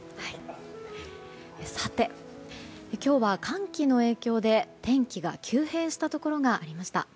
さて、今日は寒気の影響で天気が急変したところがありました。